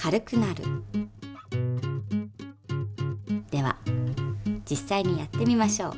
では実さいにやってみましょう。